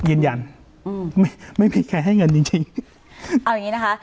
ยืนยันอืมไม่ไม่มีใครให้เงินจริงจริงเอาอย่างงี้นะคะ